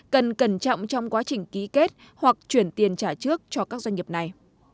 cần cẩn trọng trong quá trình ký kết hoặc chuyển tiền trả trước cho các doanh nghiệp này